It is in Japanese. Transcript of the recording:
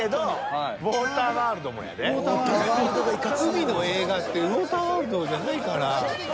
海の映画って「ウォーターワールド」じゃないかな。